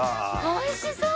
おいしそう！